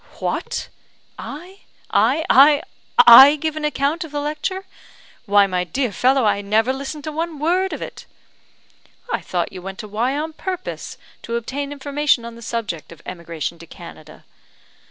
"What! I I I I give an account of the lecture? Why, my dear fellow, I never listened to one word of it!" "I thought you went to Y on purpose to obtain information on the subject of emigration to Canada?"